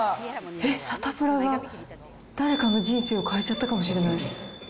えっ、サタプラが誰かの人生を変えちゃったのかもしれない。